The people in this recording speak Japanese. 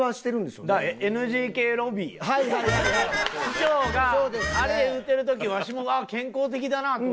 師匠があれ言うてる時わしも健康的だなと思うもん。